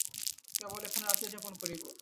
কেবল এখানে রাত্রিযাপন করিব।